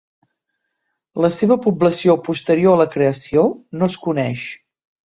La seva població posterior a la creació no es coneix.